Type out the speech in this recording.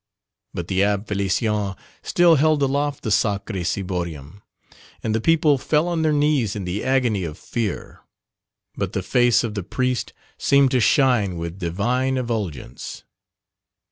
But the Abbé Félicien still held aloft the Sacred Ciborium, and the people fell on their knees in the agony of fear, but the face of the priest seemed to shine with divine effulgence.